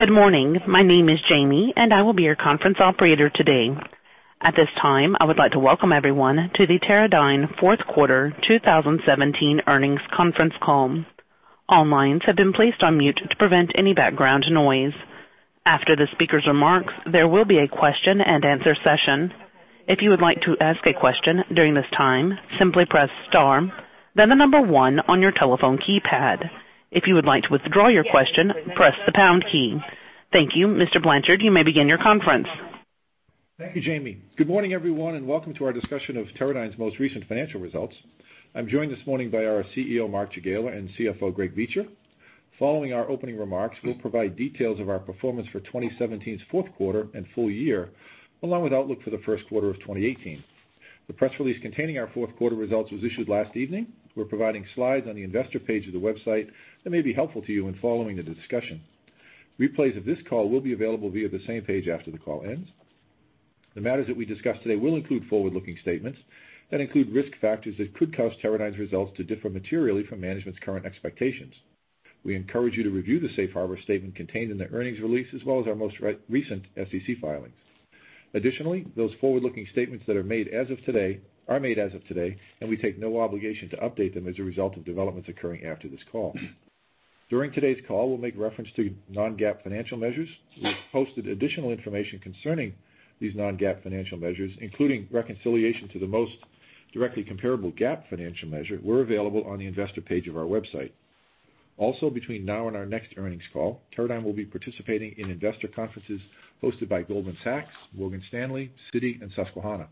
Good morning. My name is Jamie, and I will be your conference operator today. At this time, I would like to welcome everyone to the Teradyne fourth quarter 2017 earnings conference call. All lines have been placed on mute to prevent any background noise. After the speaker's remarks, there will be a question and answer session. If you would like to ask a question during this time, simply press star, then the number 1 on your telephone keypad. If you would like to withdraw your question, press the pound key. Thank you. Mr. Blanchard, you may begin your conference. Thank you, Jamie. Good morning, everyone. Welcome to our discussion of Teradyne's most recent financial results. I'm joined this morning by our CEO, Mark Jagiela, and CFO, Greg Beecher. Following our opening remarks, we'll provide details of our performance for 2017's fourth quarter and full year, along with outlook for the first quarter of 2018. The press release containing our fourth quarter results was issued last evening. We're providing slides on the investor page of the website that may be helpful to you in following the discussion. Replays of this call will be available via the same page after the call ends. The matters that we discuss today will include forward-looking statements that include risk factors that could cause Teradyne's results to differ materially from management's current expectations. We encourage you to review the safe harbor statement contained in the earnings release, as well as our most recent SEC filings. Additionally, those forward-looking statements that are made as of today, we take no obligation to update them as a result of developments occurring after this call. During today's call, we'll make reference to non-GAAP financial measures. We've posted additional information concerning these non-GAAP financial measures, including reconciliation to the most directly comparable GAAP financial measure, were available on the investor page of our website. Between now and our next earnings call, Teradyne will be participating in investor conferences hosted by Goldman Sachs, Morgan Stanley, Citi, and Susquehanna.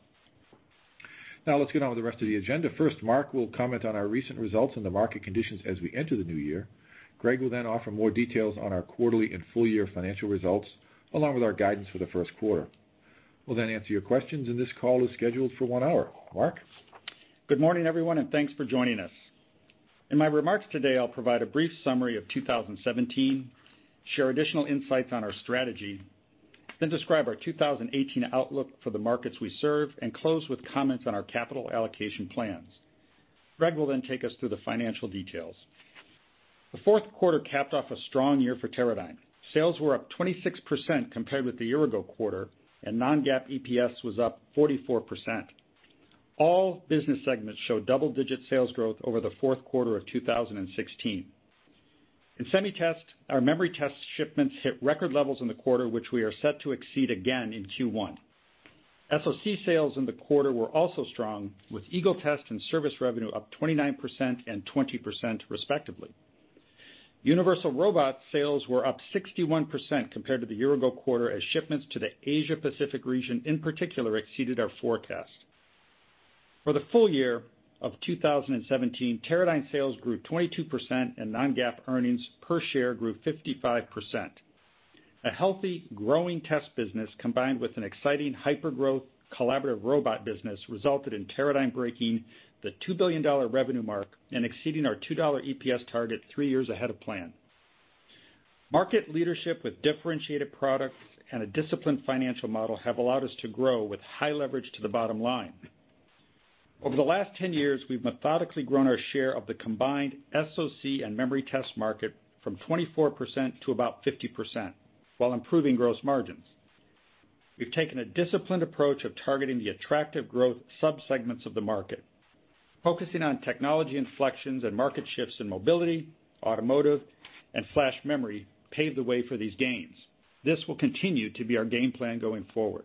Let's get on with the rest of the agenda. Mark will comment on our recent results and the market conditions as we enter the new year. Greg will offer more details on our quarterly and full-year financial results, along with our guidance for the first quarter. We'll answer your questions. This call is scheduled for one hour. Mark? Good morning, everyone, and thanks for joining us. In my remarks today, I'll provide a brief summary of 2017, share additional insights on our strategy, describe our 2018 outlook for the markets we serve, and close with comments on our capital allocation plans. Greg will take us through the financial details. The fourth quarter capped off a strong year for Teradyne. Sales were up 26% compared with the year-ago quarter, and non-GAAP EPS was up 44%. All business segments showed double-digit sales growth over the fourth quarter of 2016. In SemiTest, our memory test shipments hit record levels in the quarter, which we are set to exceed again in Q1. SoC sales in the quarter were also strong, with EagleTest and service revenue up 29% and 20% respectively. Universal Robots sales were up 61% compared to the year-ago quarter, as shipments to the Asia-Pacific region, in particular, exceeded our forecast. For the full year of 2017, Teradyne sales grew 22%, and non-GAAP earnings per share grew 55%. A healthy, growing test business combined with an exciting hypergrowth collaborative robot business resulted in Teradyne breaking the $2 billion revenue mark and exceeding our $2 EPS target three years ahead of plan. Market leadership with differentiated products and a disciplined financial model have allowed us to grow with high leverage to the bottom line. Over the last 10 years, we've methodically grown our share of the combined SoC and memory test market from 24% to about 50%, while improving gross margins. We've taken a disciplined approach of targeting the attractive growth subsegments of the market. Focusing on technology inflections and market shifts in mobility, automotive, and flash memory paved the way for these gains. This will continue to be our game plan going forward.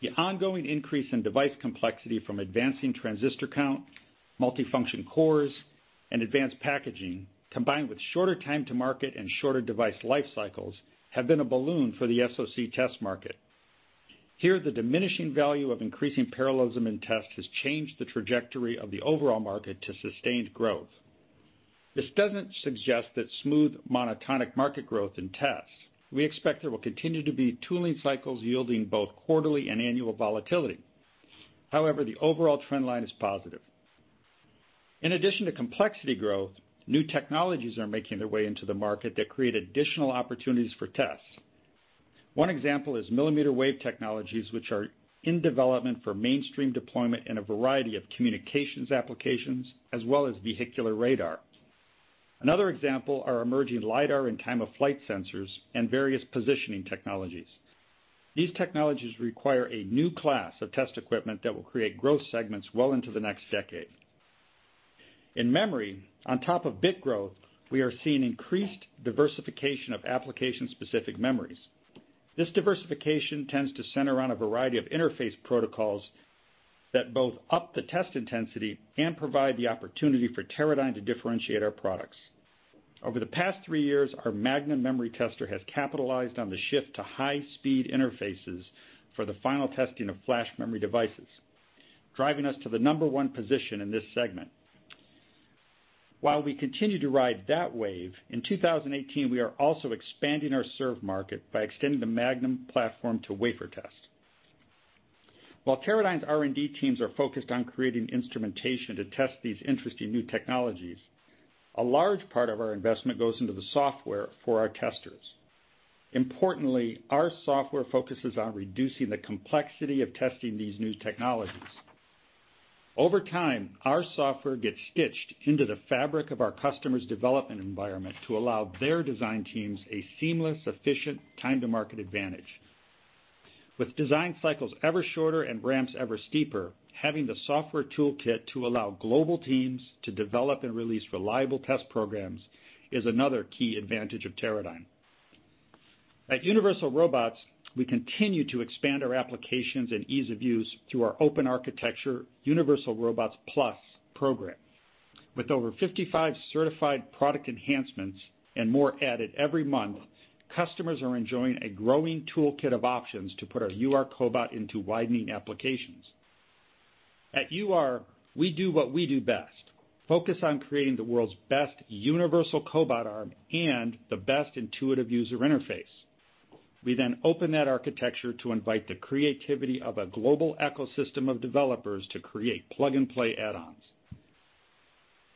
The ongoing increase in device complexity from advancing transistor count, multifunction cores, and advanced packaging, combined with shorter time to market and shorter device life cycles, have been a balloon for the SoC test market. Here, the diminishing value of increasing parallelism in test has changed the trajectory of the overall market to sustained growth. This doesn't suggest that smooth monotonic market growth in tests. We expect there will continue to be tooling cycles yielding both quarterly and annual volatility. The overall trend line is positive. In addition to complexity growth, new technologies are making their way into the market that create additional opportunities for tests. One example is millimeter wave technologies, which are in development for mainstream deployment in a variety of communications applications as well as vehicular radar. Another example are emerging LIDAR and time-of-flight sensors and various positioning technologies. These technologies require a new class of test equipment that will create growth segments well into the next decade. In memory, on top of bit growth, we are seeing increased diversification of application-specific memories. This diversification tends to center around a variety of interface protocols that both up the test intensity and provide the opportunity for Teradyne to differentiate our products. Over the past three years, our Magnum memory tester has capitalized on the shift to high-speed interfaces for the final testing of flash memory devices, driving us to the number one position in this segment. While we continue to ride that wave, in 2018, we are also expanding our served market by extending the Magnum platform to wafer test. While Teradyne's R&D teams are focused on creating instrumentation to test these interesting new technologies, a large part of our investment goes into the software for our testers. Importantly, our software focuses on reducing the complexity of testing these new technologies. Over time, our software gets stitched into the fabric of our customers' development environment to allow their design teams a seamless, efficient time to market advantage. With design cycles ever shorter and ramps ever steeper, having the software toolkit to allow global teams to develop and release reliable test programs is another key advantage of Teradyne. At Universal Robots, we continue to expand our applications and ease of use through our open architecture Universal Robots+ program. With over 55 certified product enhancements and more added every month, customers are enjoying a growing toolkit of options to put our UR cobot into widening applications. At UR, we do what we do best, focus on creating the world's best universal cobot arm and the best intuitive user interface. We then open that architecture to invite the creativity of a global ecosystem of developers to create plug-and-play add-ons.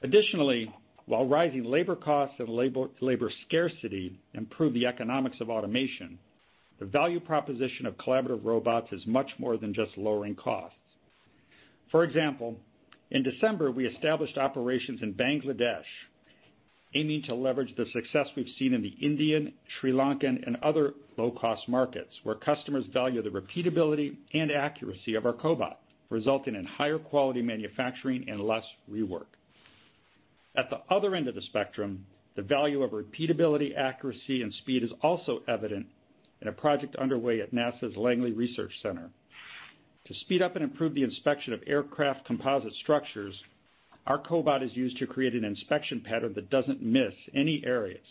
Additionally, while rising labor costs and labor scarcity improve the economics of automation, the value proposition of collaborative robots is much more than just lowering costs. For example, in December, we established operations in Bangladesh, aiming to leverage the success we've seen in the Indian, Sri Lankan, and other low-cost markets, where customers value the repeatability and accuracy of our cobot, resulting in higher quality manufacturing and less rework. At the other end of the spectrum, the value of repeatability, accuracy, and speed is also evident in a project underway at NASA's Langley Research Center. To speed up and improve the inspection of aircraft composite structures, our cobot is used to create an inspection pattern that doesn't miss any areas.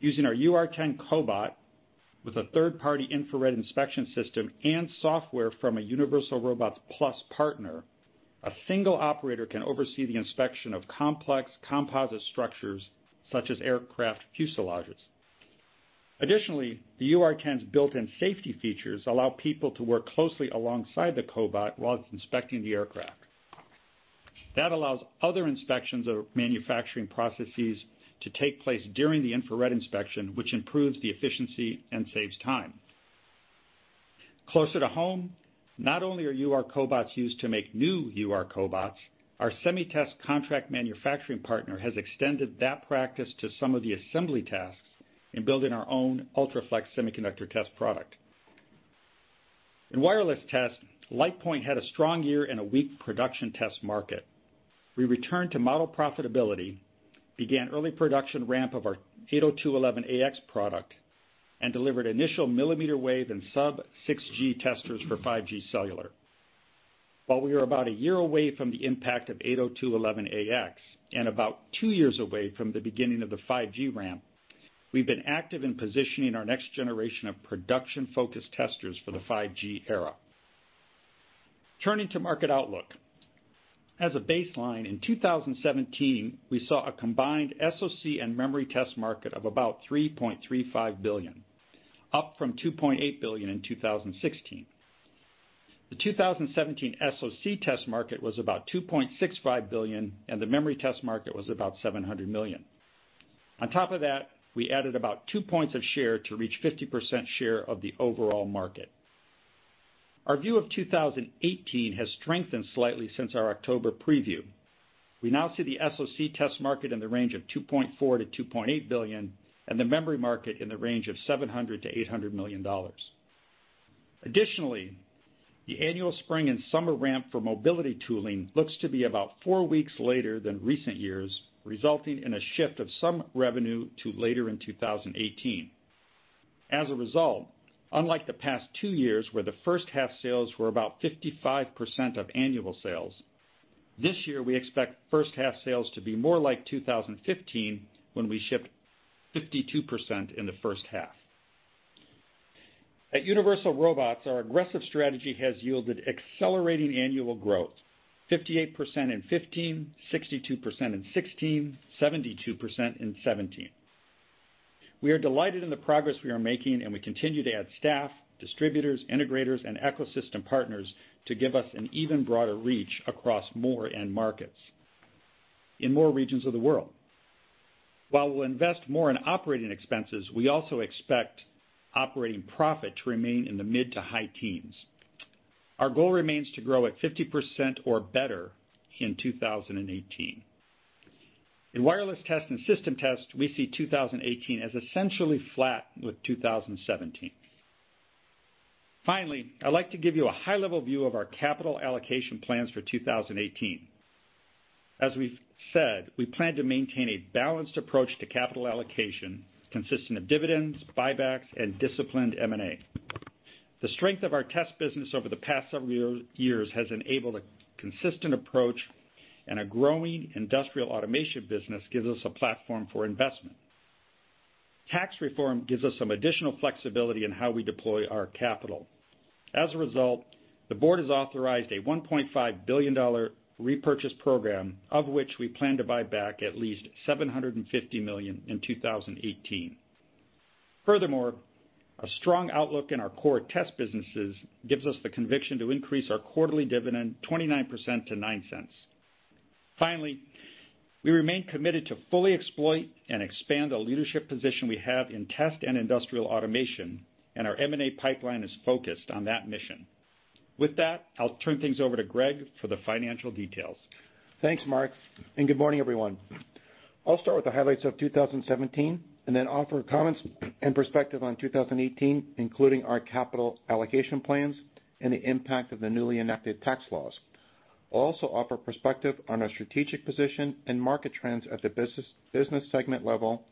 Using our UR10 cobot with a third-party infrared inspection system and software from a Universal Robots+ partner, a single operator can oversee the inspection of complex composite structures such as aircraft fuselages. Additionally, the UR10's built-in safety features allow people to work closely alongside the cobot while it's inspecting the aircraft. That allows other inspections of manufacturing processes to take place during the infrared inspection, which improves the efficiency and saves time. Closer to home, not only are UR cobots used to make new UR cobots, our SemiTest contract manufacturing partner has extended that practice to some of the assembly tasks in building our own UltraFLEX semiconductor test product. In wireless test, LitePoint had a strong year in a weak production test market. We returned to model profitability, began early production ramp of our 802.11ax product, and delivered initial millimeter wave and sub-6GHz testers for 5G cellular. While we are about a year away from the impact of 802.11ax and about two years away from the beginning of the 5G ramp, we've been active in positioning our next generation of production-focused testers for the 5G era. Turning to market outlook. As a baseline, in 2017, we saw a combined SoC and memory test market of about $3.35 billion, up from $2.8 billion in 2016. The 2017 SoC test market was about $2.65 billion, and the memory test market was about $700 million. On top of that, we added about two points of share to reach 50% share of the overall market. Our view of 2018 has strengthened slightly since our October preview. We now see the SoC test market in the range of $2.4 billion-$2.8 billion and the memory market in the range of $700 million-$800 million. Additionally, the annual spring and summer ramp for mobility tooling looks to be about four weeks later than recent years, resulting in a shift of some revenue to later in 2018. Unlike the past two years, where the first half sales were about 55% of annual sales, this year, we expect first half sales to be more like 2015, when we shipped 52% in the first half. At Universal Robots, our aggressive strategy has yielded accelerating annual growth, 58% in 2015, 62% in 2016, 72% in 2017. We are delighted in the progress we are making, and we continue to add staff, distributors, integrators, and ecosystem partners to give us an even broader reach across more end markets in more regions of the world. While we'll invest more in operating expenses, we also expect operating profit to remain in the mid to high teens. Our goal remains to grow at 50% or better in 2018. In wireless test and system test, we see 2018 as essentially flat with 2017. Finally, I'd like to give you a high-level view of our capital allocation plans for 2018. As we've said, we plan to maintain a balanced approach to capital allocation, consistent of dividends, buybacks, and disciplined M&A. The strength of our test business over the past several years has enabled a consistent approach. A growing industrial automation business gives us a platform for investment. Tax reform gives us some additional flexibility in how we deploy our capital. The board has authorized a $1.5 billion repurchase program, of which we plan to buy back at least $750 million in 2018. Furthermore, a strong outlook in our core test businesses gives us the conviction to increase our quarterly dividend 29% to $0.09. Finally, we remain committed to fully exploit and expand the leadership position we have in test and industrial automation. Our M&A pipeline is focused on that mission. With that, I'll turn things over to Greg for the financial details. Thanks, Mark. Good morning, everyone. I'll start with the highlights of 2017. I'll then offer comments and perspective on 2018, including our capital allocation plans and the impact of the newly enacted tax laws. I'll also offer perspective on our strategic position and market trends at the business segment level,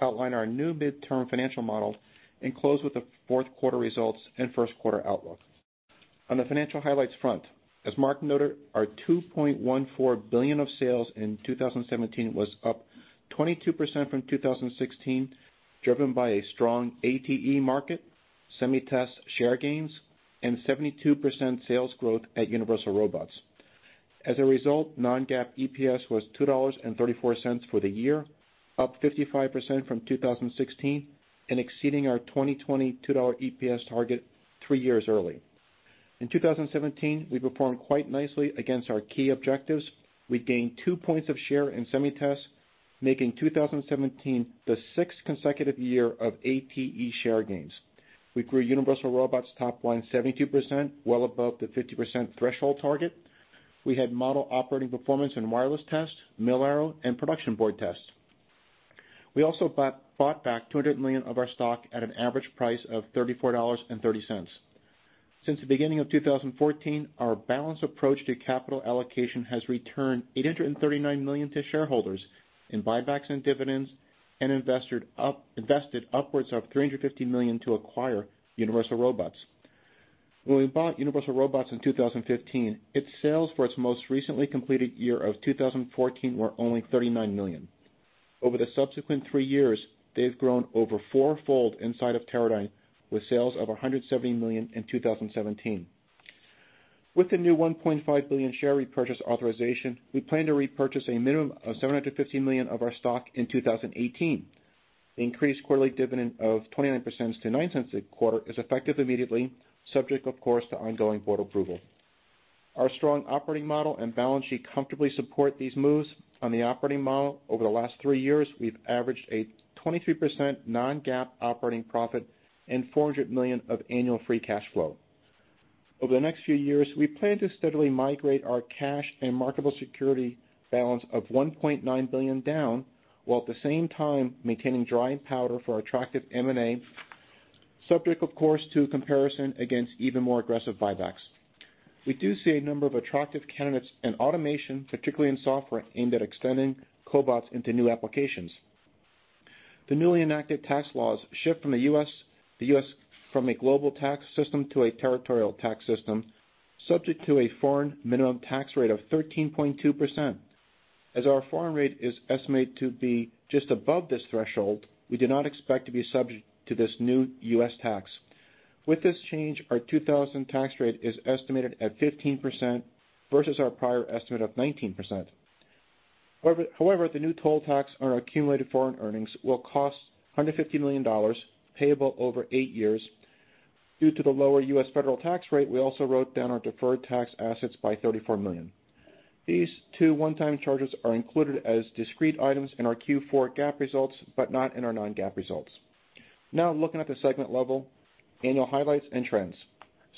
outline our new midterm financial model. I'll close with the fourth quarter results and first quarter outlook. On the financial highlights front, as Mark noted, our $2.14 billion of sales in 2017 was up 22% from 2016, driven by a strong ATE market, SemiTest share gains, 72% sales growth at Universal Robots. Non-GAAP EPS was $2.34 for the year, up 55% from 2016 and exceeding our 2020 $2 EPS target three years early. In 2017, we performed quite nicely against our key objectives. We gained two points of share in SemiTest, making 2017 the sixth consecutive year of ATE share gains. We grew Universal Robots' top line 72%, well above the 50% threshold target. We had model operating performance in wireless test, MiR and production board tests. We also bought back $200 million of our stock at an average price of $34.30. Since the beginning of 2014, our balanced approach to capital allocation has returned $839 million to shareholders in buybacks and dividends and invested upwards of $350 million to acquire Universal Robots. When we bought Universal Robots in 2015, its sales for its most recently completed year of 2014 were only $39 million. Over the subsequent three years, they've grown over four-fold inside of Teradyne, with sales of $170 million in 2017. With the new $1.5 billion share repurchase authorization, we plan to repurchase a minimum of $750 million of our stock in 2018. The increased quarterly dividend of 29% to $0.09 a quarter is effective immediately, subject, of course, to ongoing board approval. Our strong operating model and balance sheet comfortably support these moves. On the operating model, over the last three years, we've averaged a 23% non-GAAP operating profit and $400 million of annual free cash flow. Over the next few years, we plan to steadily migrate our cash and marketable security balance of $1.9 billion down, while at the same time maintaining dry powder for our attractive M&A, subject, of course, to comparison against even more aggressive buybacks. We do see a number of attractive candidates in automation, particularly in software, aimed at extending cobots into new applications. The newly enacted tax laws shift the U.S. from a global tax system to a territorial tax system, subject to a foreign minimum tax rate of 13.2%. As our foreign rate is estimated to be just above this threshold, we do not expect to be subject to this new U.S. tax. The new toll tax on our accumulated foreign earnings will cost $150 million, payable over eight years. Due to the lower U.S. federal tax rate, we also wrote down our deferred tax assets by $34 million. These two one-time charges are included as discrete items in our Q4 GAAP results, but not in our non-GAAP results. Looking at the segment level, annual highlights, and trends.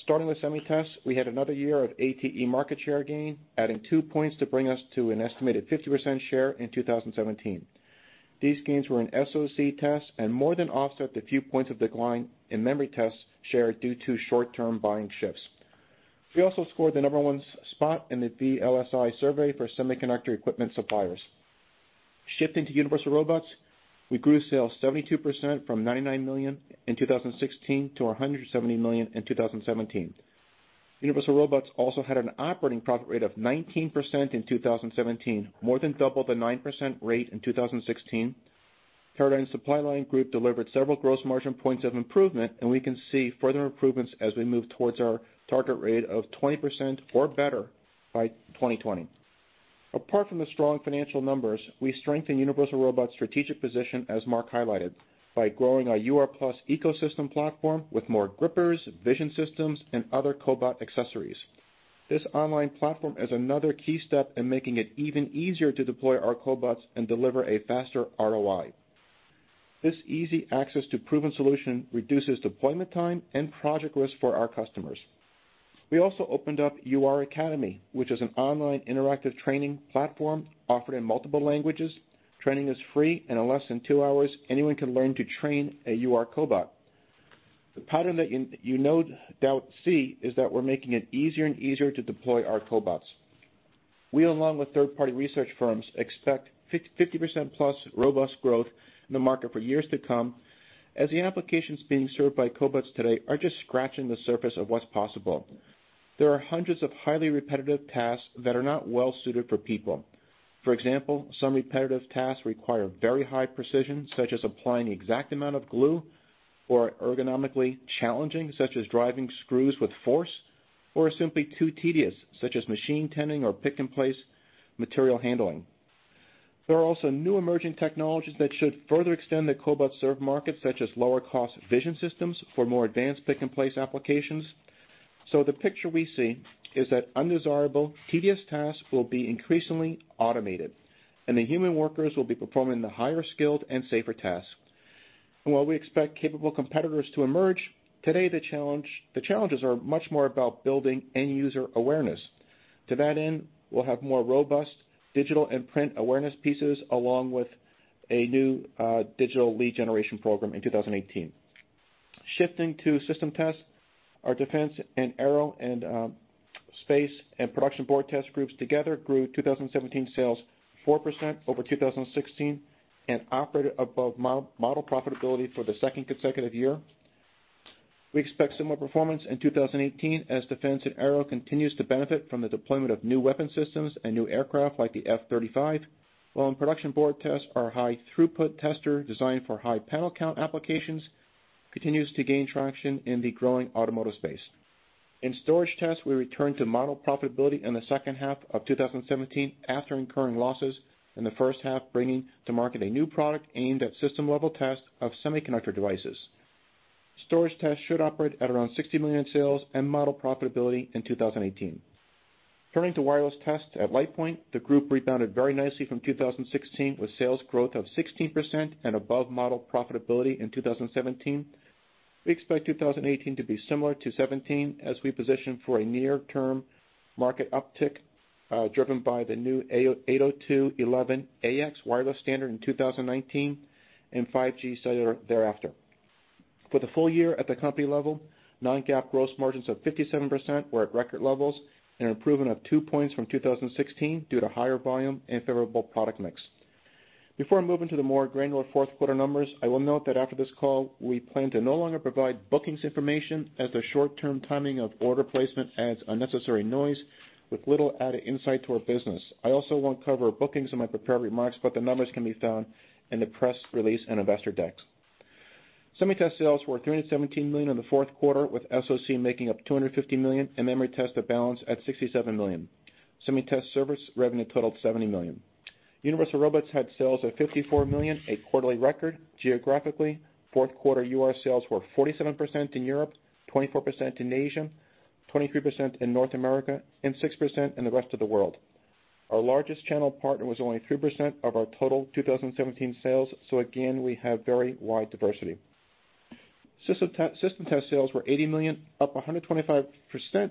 Starting with SemiTest, we had another year of ATE market share gain, adding two points to bring us to an estimated 50% share in 2017. These gains were in SoC tests and more than offset the few points of decline in memory test share due to short-term buying shifts. We also scored the number one spot in the VLSIresearch survey for semiconductor equipment suppliers. Shifting to Universal Robots, we grew sales 72%, from $99 million in 2016 to $170 million in 2017. Universal Robots also had an operating profit rate of 19% in 2017, more than double the 9% rate in 2016. Teradyne supply chain group delivered several gross margin points of improvement, and we can see further improvements as we move towards our target rate of 20% or better by 2020. Apart from the strong financial numbers, we strengthened Universal Robots' strategic position, as Mark highlighted, by growing our UR+ ecosystem platform with more grippers, vision systems, and other cobot accessories. This online platform is another key step in making it even easier to deploy our cobots and deliver a faster ROI. This easy access to proven solution reduces deployment time and project risk for our customers. We also opened up UR Academy, which is an online interactive training platform offered in multiple languages. Training is free, and in less than two hours, anyone can learn to train a UR cobot. The pattern that you no doubt see is that we're making it easier and easier to deploy our cobots. We, along with third-party research firms, expect 50%+ robust growth in the market for years to come, as the applications being served by cobots today are just scratching the surface of what's possible. There are hundreds of highly repetitive tasks that are not well-suited for people. For example, some repetitive tasks require very high precision, such as applying the exact amount of glue, or are ergonomically challenging, such as driving screws with force, or are simply too tedious, such as machine tending or pick and place material handling. There are also new emerging technologies that should further extend the cobot served market, such as lower cost vision systems for more advanced pick-and-place applications. The picture we see is that undesirable tedious tasks will be increasingly automated, and the human workers will be performing the higher skilled and safer tasks. While we expect capable competitors to emerge, today, the challenges are much more about building end user awareness. To that end, we'll have more robust digital and print awareness pieces, along with a new digital lead generation program in 2018. Shifting to system tests, our defense and aero and space and production board test groups together grew 2017 sales 4% over 2016 and operated above model profitability for the second consecutive year. We expect similar performance in 2018 as defense and aero continues to benefit from the deployment of new weapon systems and new aircraft like the F-35, while in production board tests, our high throughput tester designed for high panel count applications continues to gain traction in the growing automotive space. In storage tests, we return to model profitability in the second half of 2017 after incurring losses in the first half, bringing to market a new product aimed at system level test of semiconductor devices. Storage test should operate at around $60 million in sales and model profitability in 2018. Turning to wireless tests at LitePoint, the group rebounded very nicely from 2016 with sales growth of 16% and above model profitability in 2017. We expect 2018 to be similar to 2017 as we position for a near-term market uptick, driven by the new 802.11ax wireless standard in 2019 and 5G cellular thereafter. For the full year at the company level, non-GAAP gross margins of 57% were at record levels and improvement of two points from 2016 due to higher volume and favorable product mix. Before I move into the more granular fourth quarter numbers, I will note that after this call, we plan to no longer provide bookings information as the short-term timing of order placement adds unnecessary noise with little added insight to our business. I also won't cover bookings in my prepared remarks, but the numbers can be found in the press release and investor decks. SemiTest sales were $317 million in the fourth quarter, with SoC making up $250 million and memory test at balance at $67 million. SemiTest service revenue totaled $70 million. Universal Robots had sales of $54 million, a quarterly record. Geographically, fourth quarter UR sales were 47% in Europe, 24% in Asia, 23% in North America, and 6% in the rest of the world. Our largest channel partner was only 3% of our total 2017 sales, so again, we have very wide diversity. System test sales were $80 million, up 125%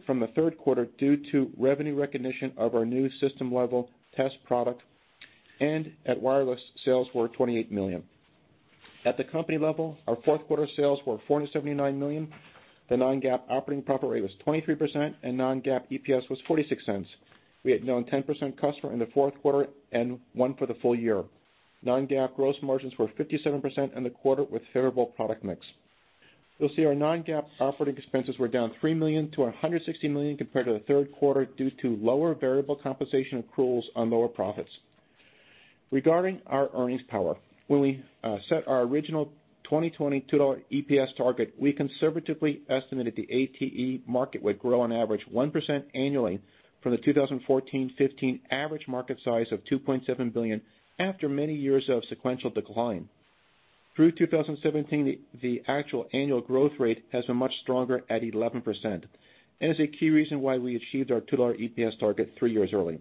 from the third quarter due to revenue recognition of our new system level test product. At Wireless, sales were $28 million. At the company level, our fourth quarter sales were $479 million. The non-GAAP operating profit rate was 23%, and non-GAAP EPS was $0.46. We had one 10% customer in the fourth quarter and one for the full year. Non-GAAP gross margins were 57% in the quarter with favorable product mix. You'll see our non-GAAP operating expenses were down $3 million to $160 million compared to the third quarter due to lower variable compensation accruals on lower profits. Regarding our earnings power, when we set our original 2020 $2 EPS target, we conservatively estimated the ATE market would grow on average 1% annually from the 2014-2015 average market size of $2.7 billion after many years of sequential decline. Through 2017, the actual annual growth rate has been much stronger at 11% and is a key reason why we achieved our $2 EPS target three years early.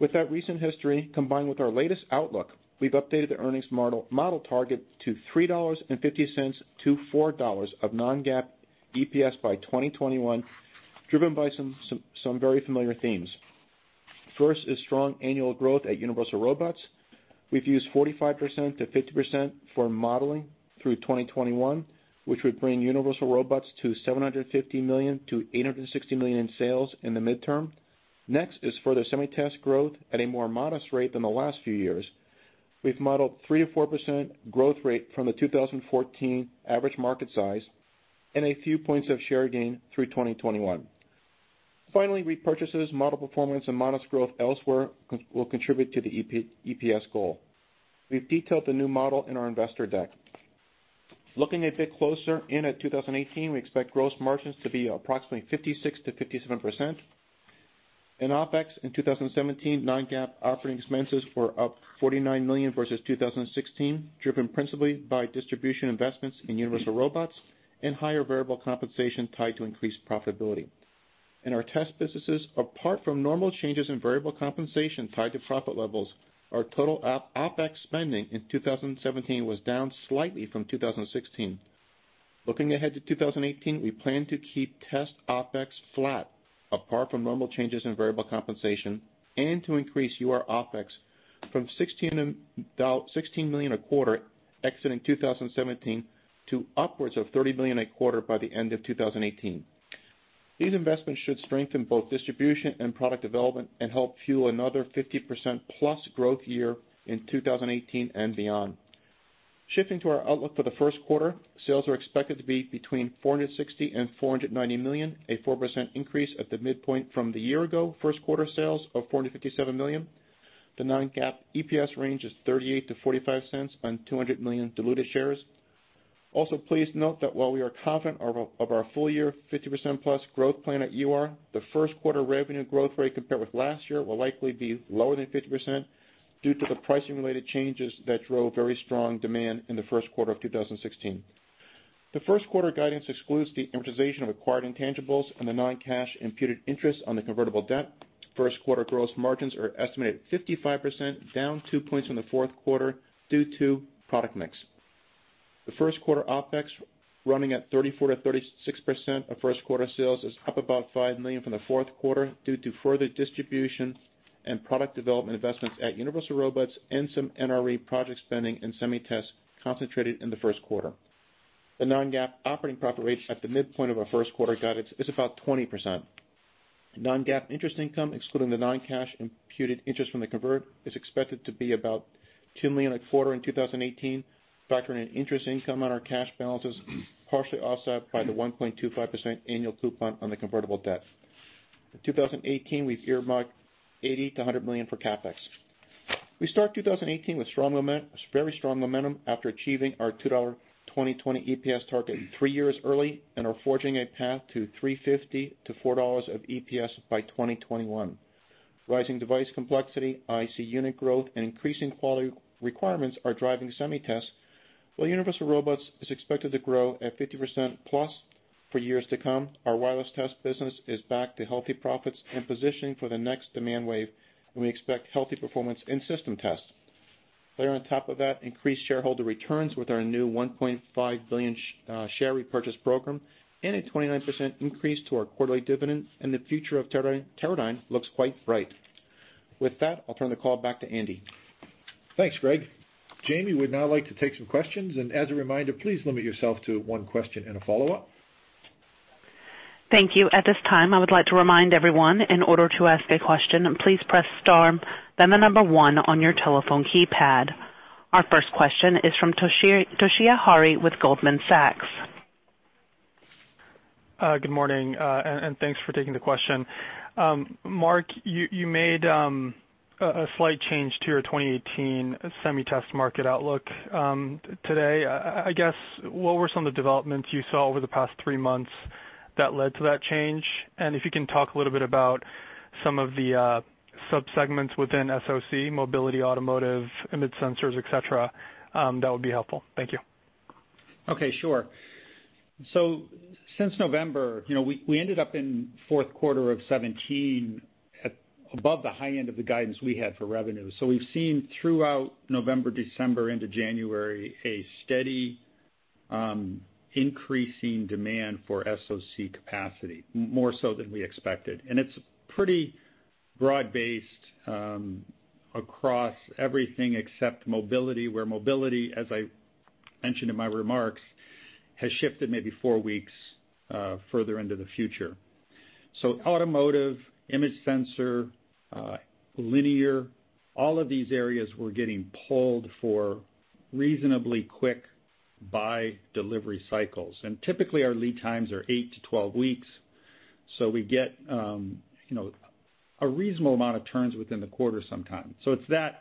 With that recent history, combined with our latest outlook, we've updated the earnings model target to $3.50-$4 of non-GAAP EPS by 2021, driven by some very familiar themes. First is strong annual growth at Universal Robots. We've used 45%-50% for modeling through 2021, which would bring Universal Robots to $750 million-$860 million in sales in the midterm. Next is further SemiTest growth at a more modest rate than the last few years. We've modeled 3%-4% growth rate from the 2014 average market size and a few points of share gain through 2021. Finally, repurchases, model performance, and modest growth elsewhere will contribute to the EPS goal. We've detailed the new model in our investor deck. Looking a bit closer in at 2018, we expect gross margins to be approximately 56%-57%. In OpEx in 2017, non-GAAP operating expenses were up $49 million versus 2016, driven principally by distribution investments in Universal Robots and higher variable compensation tied to increased profitability. In our test businesses, apart from normal changes in variable compensation tied to profit levels, our total OpEx spending in 2017 was down slightly from 2016. Looking ahead to 2018, we plan to keep test OpEx flat, apart from normal changes in variable compensation, and to increase UR OpEx from $16 million a quarter exiting 2017 to upwards of $30 million a quarter by the end of 2018. These investments should strengthen both distribution and product development and help fuel another 50%+ growth year in 2018 and beyond. Shifting to our outlook for the first quarter, sales are expected to be between $460 million and $490 million, a 4% increase at the midpoint from the year-ago first quarter sales of $457 million. The non-GAAP EPS range is $0.38 to $0.45 on 200 million diluted shares. Please note that while we are confident of our full year 50%+ growth plan at UR, the first quarter revenue growth rate compared with last year will likely be lower than 50% due to the pricing related changes that drove very strong demand in the first quarter of 2016. The first quarter guidance excludes the amortization of acquired intangibles and the non-cash imputed interest on the convertible debt. First quarter gross margins are estimated at 55%, down two points from the fourth quarter due to product mix. The first quarter OpEx running at 34% to 36% of first quarter sales is up about $5 million from the fourth quarter due to further distribution and product development investments at Universal Robots and some NRE project spending in SemiTest concentrated in the first quarter. The non-GAAP operating profit rate at the midpoint of our first quarter guidance is about 20%. Non-GAAP interest income, excluding the non-cash imputed interest from the convert, is expected to be about $2 million quarter in 2018, factoring an interest income on our cash balances, partially offset by the 1.25% annual coupon on the convertible debt. In 2018, we've earmarked $80 million to $100 million for CapEx. We start 2018 with very strong momentum after achieving our $2.20 EPS target three years early and are forging a path to $3.50 to $4 of EPS by 2021. Rising device complexity, IC unit growth, and increasing quality requirements are driving SemiTest, while Universal Robots is expected to grow at 50%+ for years to come. Our wireless test business is back to healthy profits and positioning for the next demand wave, and we expect healthy performance in system tests. Layer on top of that, increased shareholder returns with our new $1.5 billion share repurchase program, and a 29% increase to our quarterly dividend, and the future of Teradyne looks quite bright. With that, I'll turn the call back to Andy. Thanks, Greg. Jamie would now like to take some questions. As a reminder, please limit yourself to one question and a follow-up. Thank you. At this time, I would like to remind everyone, in order to ask a question, please press star, then the number one on your telephone keypad. Our first question is from Toshiya Hari with Goldman Sachs. Good morning. Thanks for taking the question. Mark, you made a slight change to your 2018 SemiTest market outlook today. I guess, what were some of the developments you saw over the past three months that led to that change? If you can talk a little bit about some of the sub-segments within SoC, mobility, automotive, image sensors, et cetera, that would be helpful. Thank you. Okay, sure. Since November, we ended up in fourth quarter of 2017 above the high end of the guidance we had for revenue. We've seen throughout November, December into January, a steady increasing demand for SoC capacity, more so than we expected. It's pretty broad-based across everything except mobility, where mobility, as I mentioned in my remarks, has shifted maybe four weeks further into the future. Automotive, image sensor, linear, all of these areas were getting pulled for reasonably quick buy delivery cycles. Typically, our lead times are 8-12 weeks, so we get a reasonable amount of turns within the quarter sometime. It's that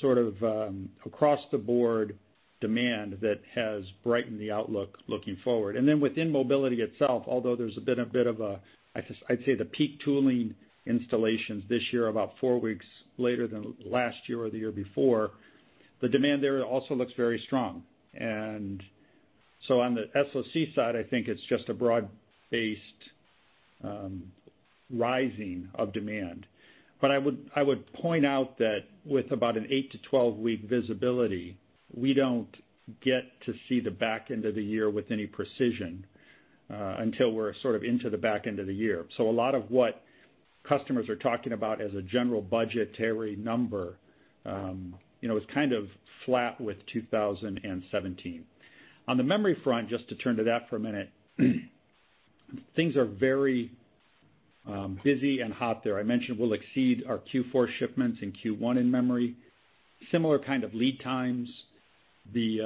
sort of across the board demand that has brightened the outlook looking forward. Within mobility itself, although there's been a bit of a, I'd say the peak tooling installations this year about four weeks later than last year or the year before, the demand there also looks very strong. On the SoC side, I think it's just a broad-based rising of demand. I would point out that with about an 8-12 week visibility, we don't get to see the back end of the year with any precision, until we're sort of into the back end of the year. A lot of what customers are talking about as a general budgetary number, is kind of flat with 2017. On the memory front, just to turn to that for a minute, things are very busy and hot there. I mentioned we'll exceed our Q4 shipments in Q1 in memory. Similar kind of lead times. The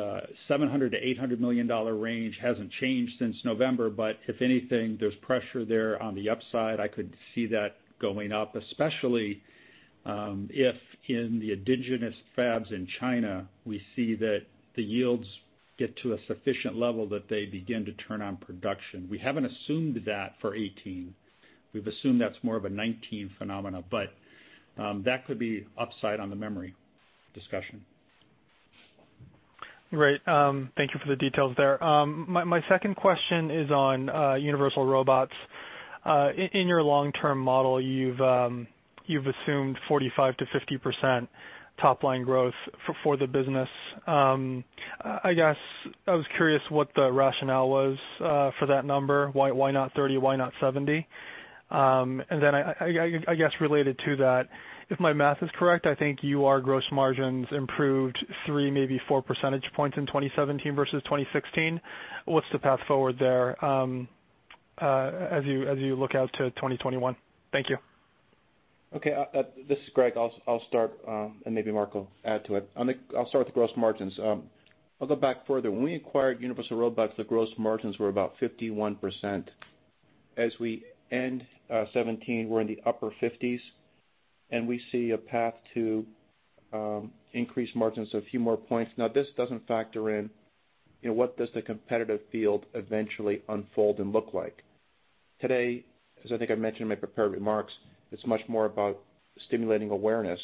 $700 million-$800 million range hasn't changed since November. If anything, there's pressure there on the upside. I could see that going up, especially if in the indigenous fabs in China, we see that the yields get to a sufficient level that they begin to turn on production. We haven't assumed that for 2018. We've assumed that's more of a 2019 phenomena, but that could be upside on the memory discussion. Great. Thank you for the details there. My second question is on Universal Robots. In your long-term model, you've assumed 45%-50% top-line growth for the business. I guess I was curious what the rationale was for that number. Why not 30? Why not 70? Then, I guess related to that, if my math is correct, I think UR gross margins improved three, maybe four percentage points in 2017 versus 2016. What's the path forward there as you look out to 2021? Thank you. Okay. This is Greg. I'll start, and maybe Mark will add to it. I'll start with the gross margins. I'll go back further. When we acquired Universal Robots, the gross margins were about 51%. As we end 2017, we're in the upper 50s. We see a path to increase margins a few more points. Now, this doesn't factor in what does the competitive field eventually unfold and look like. Today, as I think I mentioned in my prepared remarks, it's much more about stimulating awareness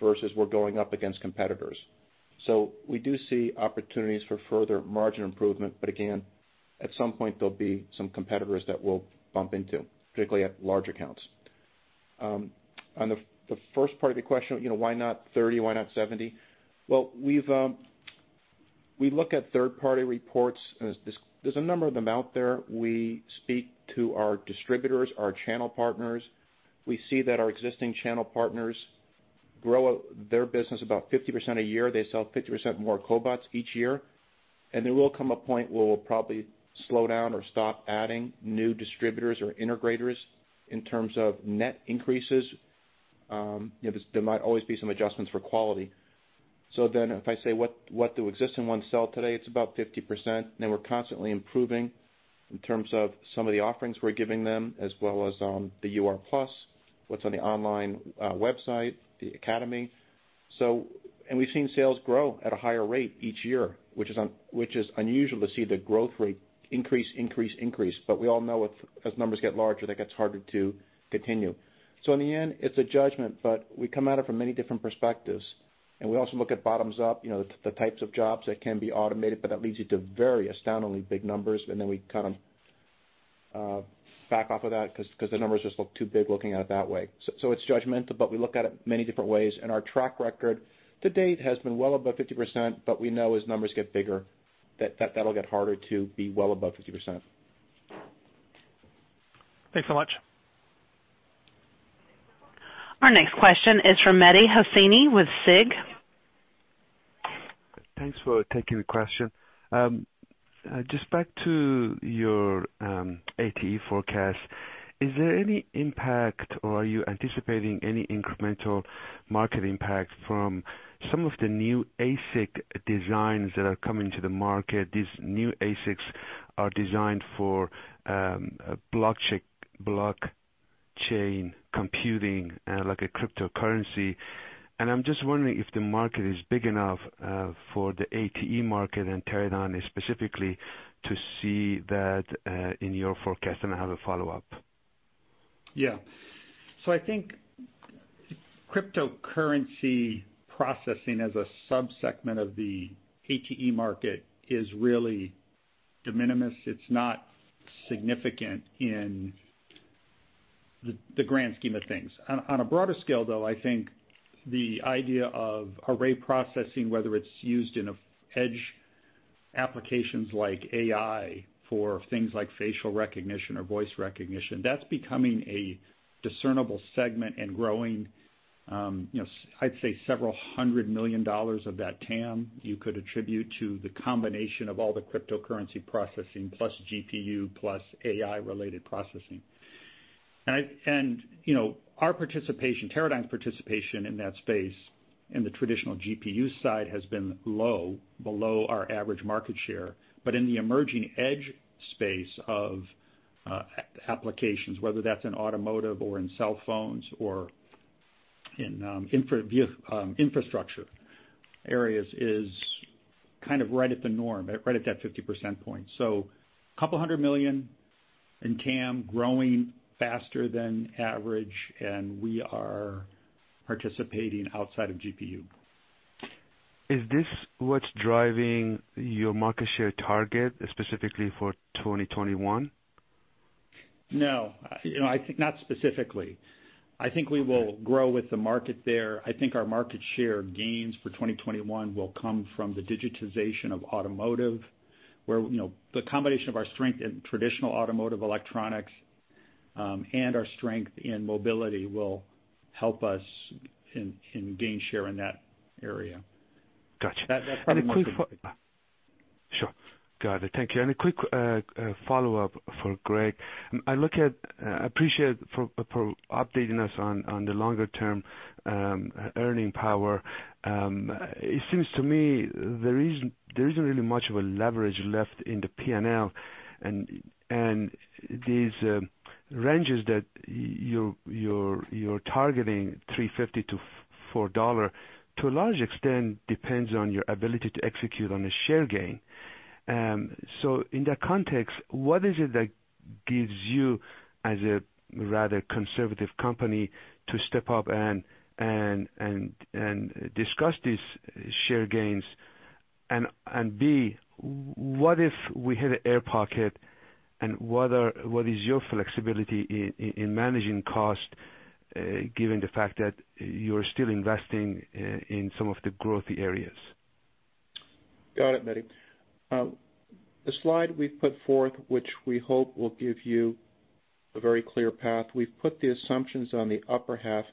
versus we're going up against competitors. We do see opportunities for further margin improvement, but again, at some point there'll be some competitors that we'll bump into, particularly at large accounts. On the first part of the question, why not 30? Why not 70? Well, we look at third-party reports. There's a number of them out there. We speak to our distributors, our channel partners. We see that our existing channel partners grow their business about 50% a year. They sell 50% more cobots each year. There will come a point where we'll probably slow down or stop adding new distributors or integrators in terms of net increases. There might always be some adjustments for quality. If I say, what do existing ones sell today? It's about 50%. We're constantly improving in terms of some of the offerings we're giving them, as well as on the UR+, what's on the online website, the Academy. We've seen sales grow at a higher rate each year, which is unusual to see the growth rate increase. We all know as numbers get larger, that gets harder to continue. In the end, it's a judgment, we come at it from many different perspectives, we also look at bottoms-up, the types of jobs that can be automated, that leads you to very astoundingly big numbers, then we kind of back off of that because the numbers just look too big looking at it that way. It's judgmental, we look at it many different ways, our track record to date has been well above 50%, we know as numbers get bigger, that'll get harder to be well above 50%. Thanks so much. Our next question is from Mehdi Hosseini with SIG. Thanks for taking the question. Just back to your ATE forecast. Is there any impact, or are you anticipating any incremental market impact from some of the new ASIC designs that are coming to the market? These new ASICs are designed for blockchain computing, like a cryptocurrency. I'm just wondering if the market is big enough for the ATE market and Teradyne specifically to see that in your forecast. I have a follow-up. I think cryptocurrency processing as a sub-segment of the ATE market is really de minimis. It's not significant in the grand scheme of things. On a broader scale, though, I think the idea of array processing, whether it's used in edge applications like AI for things like facial recognition or voice recognition, that's becoming a discernible segment and growing. I'd say $several hundred million of that TAM, you could attribute to the combination of all the cryptocurrency processing plus GPU, plus AI-related processing. Our participation, Teradyne's participation in that space, in the traditional GPU side has been low, below our average market share. In the emerging edge space of applications, whether that's in automotive or in cell phones or in infrastructure areas, is kind of right at the norm, right at that 50% point. A couple of hundred million in TAM, growing faster than average, we are participating outside of GPU. Is this what's driving your market share target specifically for 2021? No, not specifically. I think we will grow with the market there. I think our market share gains for 2021 will come from the digitization of automotive, where the combination of our strength in traditional automotive electronics, and our strength in mobility will help us in gain share in that area. Got you. That's probably more- Sure. Got it. Thank you. A quick follow-up for Greg. I appreciate for updating us on the longer-term earning power. It seems to me there isn't really much of a leverage left in the P&L, and these ranges that you're targeting, $3.50-$4, to a large extent depends on your ability to execute on a share gain. In that context, what is it that gives you as a rather conservative company to step up and discuss these share gains? B, what if we hit an air pocket, and what is your flexibility in managing cost, given the fact that you're still investing in some of the growth areas? Got it, Mehdi. The slide we've put forth, which we hope will give you a very clear path, we've put the assumptions on the upper half,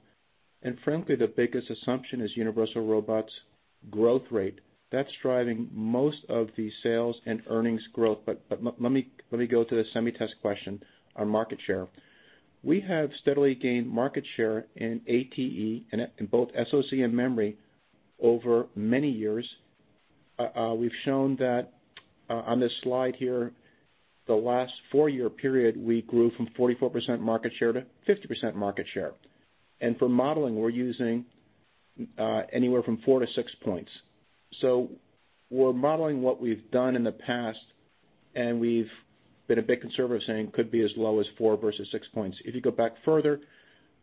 and frankly, the biggest assumption is Universal Robots growth rate. That's driving most of the sales and earnings growth. Let me go to the SemiTest question on market share. We have steadily gained market share in ATE, in both SoC and memory over many years. We've shown that on this slide here, the last four-year period, we grew from 44%-50% market share. For modeling, we're using anywhere from four to six points. We're modeling what we've done in the past, and we've been a bit conservative saying it could be as low as four versus six points. If you go back further,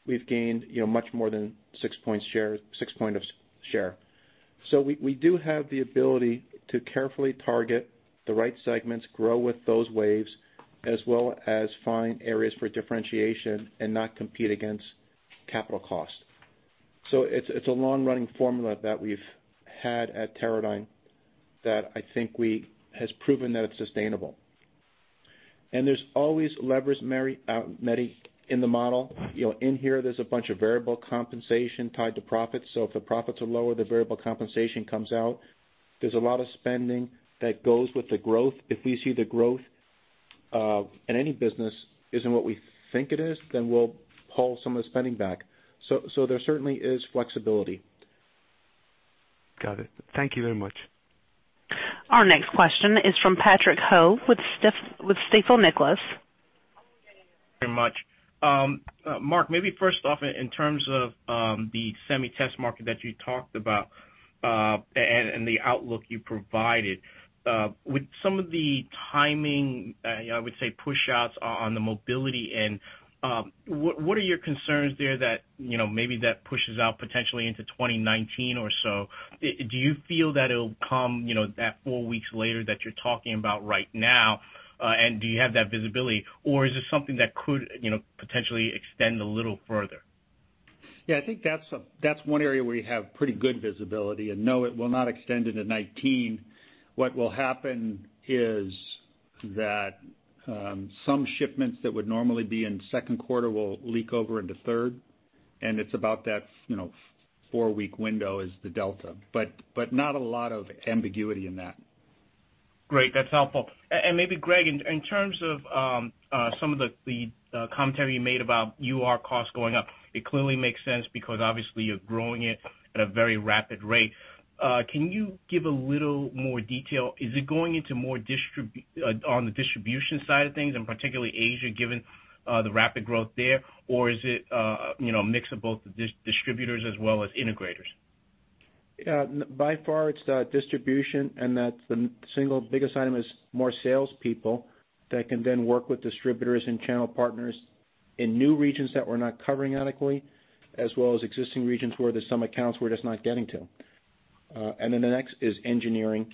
we've gained much more than six point of share. We do have the ability to carefully target the right segments, grow with those waves, as well as find areas for differentiation and not compete against capital cost. It's a long-running formula that we've had at Teradyne that I think has proven that it's sustainable. There's always levers, Mary, Mehdi, in the model. In here, there's a bunch of variable compensation tied to profits. If the profits are lower, the variable compensation comes out. There's a lot of spending that goes with the growth. If we see the growth of any business isn't what we think it is, then we'll pull some of the spending back. There certainly is flexibility. Got it. Thank you very much. Our next question is from Patrick Ho with Stifel Nicolaus. Very much. Mark, maybe first off, in terms of the SemiTest market that you talked about and the outlook you provided. With some of the timing, I would say, push outs on the mobility end, what are your concerns there that maybe that pushes out potentially into 2019 or so? Do you feel that it'll come that four weeks later that you're talking about right now, and do you have that visibility, or is this something that could potentially extend a little further? Yeah, I think that's one area where you have pretty good visibility. No, it will not extend into 2019. What will happen is that some shipments that would normally be in second quarter will leak over into third, and it's about that four-week window is the delta, but not a lot of ambiguity in that. Great. That's helpful. Maybe Greg, in terms of some of the commentary you made about UR costs going up, it clearly makes sense because obviously you're growing it at a very rapid rate. Can you give a little more detail? Is it going into more on the distribution side of things and particularly Asia, given the rapid growth there? Or is it a mix of both the distributors as well as integrators? By far, it's distribution, and that's the single biggest item is more salespeople that can then work with distributors and channel partners in new regions that we're not covering adequately, as well as existing regions where there's some accounts we're just not getting to. Then the next is engineering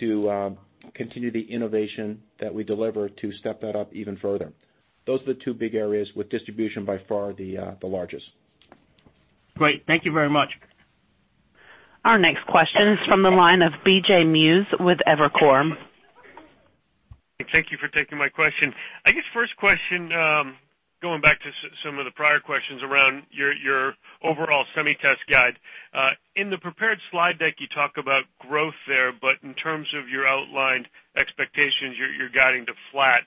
to continue the innovation that we deliver to step that up even further. Those are the two big areas with distribution by far the largest. Great. Thank you very much. Our next question is from the line of C.J. Muse with Evercore. Thank you for taking my question. I guess first question, going back to some of the prior questions around your overall SemiTest guide. In the prepared slide deck, you talk about growth there, but in terms of your outlined expectations, you're guiding to flat.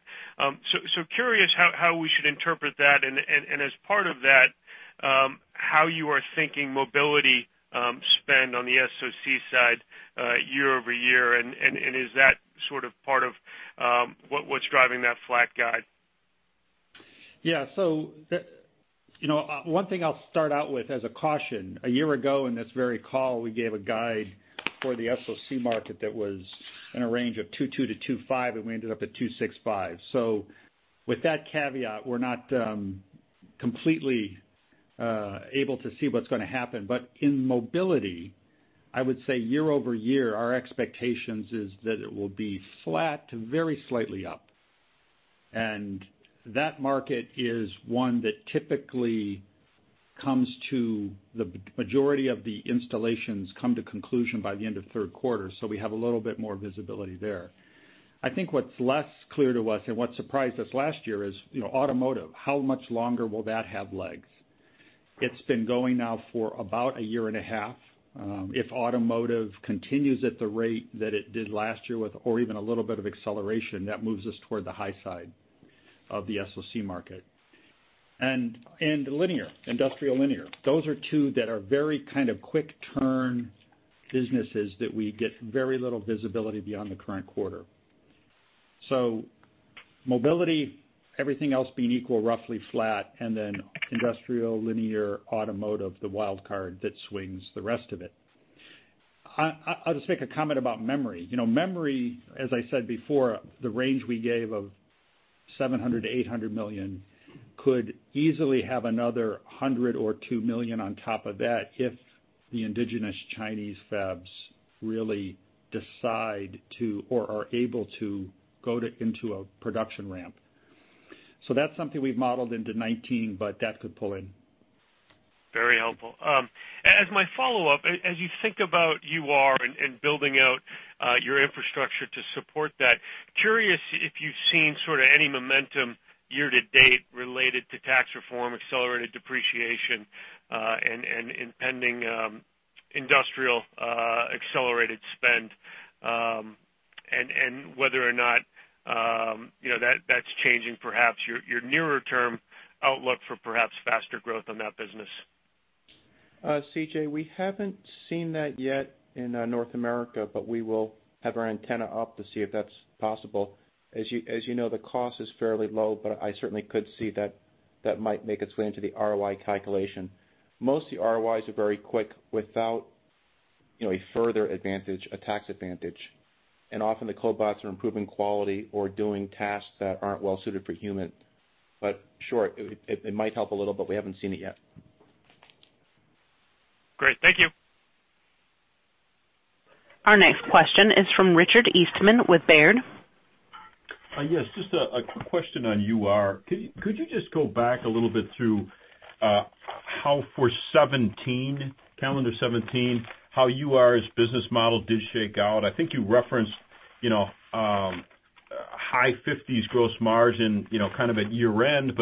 Curious how we should interpret that, and as part of that, how you are thinking mobility spend on the SoC side year-over-year, and is that sort of part of what's driving that flat guide? Yeah. One thing I'll start out with as a caution. A year ago in this very call, we gave a guide for the SoC market that was in a range of $2.2 billion-$2.5 billion, and we ended up at $2.65 billion. With that caveat, we're not completely able to see what's going to happen. In mobility, I would say year-over-year, our expectations is that it will be flat to very slightly up. That market is one that typically the majority of the installations come to conclusion by the end of third quarter. We have a little bit more visibility there. I think what's less clear to us and what surprised us last year is automotive. How much longer will that have legs? It's been going now for about a year and a half. If automotive continues at the rate that it did last year or even a little bit of acceleration, that moves us toward the high side of the SoC market. Industrial linear. Those are two that are very kind of quick turn businesses that we get very little visibility beyond the current quarter. Mobility, everything else being equal, roughly flat, and then industrial, linear, automotive, the wild card that swings the rest of it. I'll just make a comment about memory. Memory, as I said before, the range we gave of $700 million-$800 million could easily have another $100 million or [$200 million] on top of that if the indigenous Chinese fabs really decide to or are able to go into a production ramp. That's something we've modeled into 2019, but that could pull in. Very helpful. As my follow-up, as you think about UR and building out your infrastructure to support that, curious if you've seen sort of any momentum year-to-date related to tax reform, accelerated depreciation, and impending industrial accelerated spend, whether or not that's changing perhaps your nearer term outlook for perhaps faster growth on that business. C.J., we haven't seen that yet in North America, but we will have our antenna up to see if that's possible. As you know, the cost is fairly low, but I certainly could see that might make its way into the ROI calculation. Most of the ROIs are very quick without a further advantage, a tax advantage. Often the cobots are improving quality or doing tasks that aren't well-suited for human. Sure, it might help a little, but we haven't seen it yet. Great. Thank you. Our next question is from Richard Eastman with Baird. Yes, just a quick question on UR. Could you just go back a little bit to how for calendar 2017, how UR's business model did shake out? I think you referenced high 50s gross margin at year end.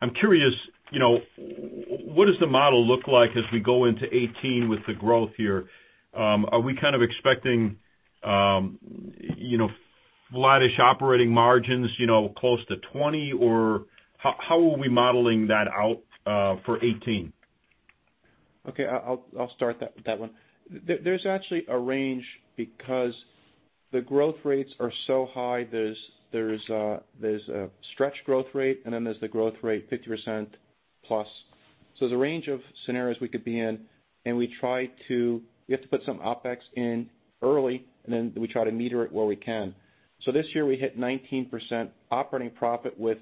I'm curious, what does the model look like as we go into 2018 with the growth here? Are we kind of expecting flattish operating margins close to 20%? How are we modeling that out for 2018? Okay. I'll start that one. There's actually a range because the growth rates are so high, there's a stretch growth rate, and then there's the growth rate 50% plus. There's a range of scenarios we could be in, and we have to put some OpEx in early, and then we try to meter it where we can. This year we hit 19% operating profit with